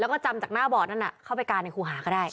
แล้วก็จำจากหน้าบอร์ดนั้นเข้าไปกาในครูหาก็ได้